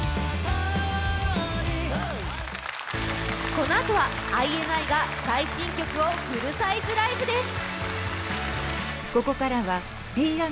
このあとはＩＮＩが最新曲をフルサイズライブです。